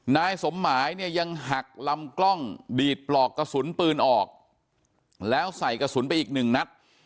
นายสมหมายเนี่ยยังหักลำกล้องดีดปลอกกระสุนปืนออกแล้วใส่กระสุนไปอีกหนึ่งนัด